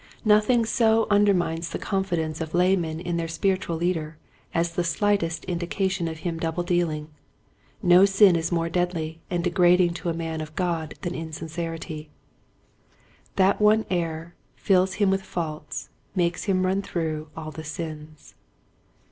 Nothing so undermines the confidence of laymen in their spiritual leader as the slightest indi cation in him of double dealing. No sin is more deadly and degrading to a man of God than insincerity. That one error Fills him with faults; makes him run through all the sins."